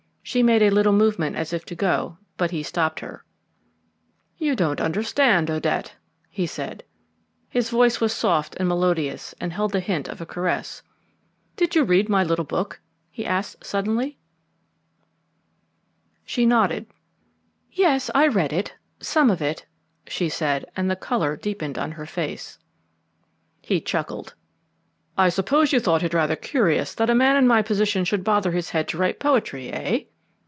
She made a little movement as if to go, but he stopped her. "You don't understand, Odette," he said. His voice was soft and melodious, and held the hint of a caress. "Did you read my little book?" he asked suddenly. She nodded. "Yes, I read some of it," she said, and the colour deepened on her face. He chuckled. "I suppose you thought it rather curious that a man in my position should bother his head to write poetry, eh?"